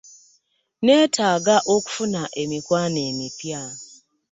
Nneetaaga okufuna emikwano emipya.